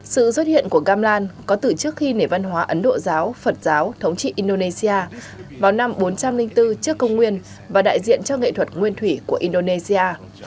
sự xuất hiện của gamlan có từ trước khi nể văn hóa ấn độ giáo phật giáo thống trị indonesia vào năm bốn trăm linh bốn trước công nguyên và đại diện cho nghệ thuật nguyên thủy của indonesia